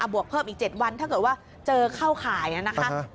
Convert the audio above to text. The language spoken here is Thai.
วกเพิ่มอีก๗วันถ้าเกิดว่าเจอเข้าข่ายนะคะ